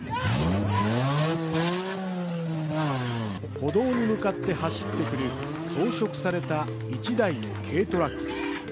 歩道に向かって走ってくる装飾された１台の軽トラック。